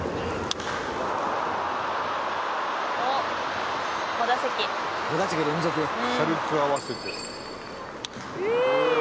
「おっ！５打席」「５打席連続」「軽く合わせて」「ウエーイ！」